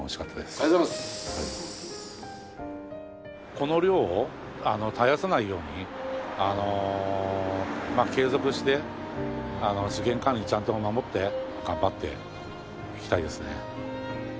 この漁を絶やさないように継続して資源管理をちゃんと守って頑張っていきたいですね。